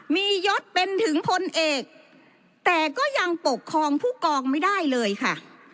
มียศเป็นถึงพลเอกแต่ก็ยังปกครองผู้กองไม่ได้เลยค่ะ